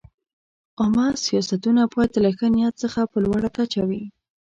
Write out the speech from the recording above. عامه سیاستونه باید له ښه نیت څخه په لوړه کچه وي.